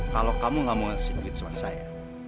kalau kamu gak mau ngasih duit sama saya